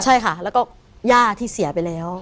ใช่ค่ะแล้วก็ย่าที่เสียไปแล้ว